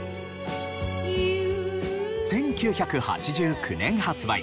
１９８９年発売